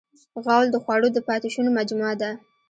غول د خوړو د پاتې شونو مجموعه ده.